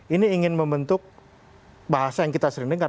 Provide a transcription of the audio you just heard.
ini ingin membentuk bahasa yang kita sering dengar